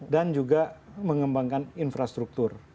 dan juga mengembangkan infrastruktur